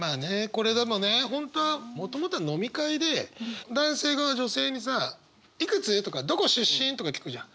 これでもね本当はもともとは飲み会で男性が女性にさ「いくつ？」とか「どこ出身？」とか聞くじゃん。